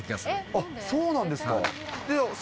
あっ、そうなんですか。